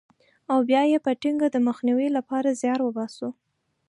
او بیا یې په ټینګه د مخنیوي لپاره زیار وباسو.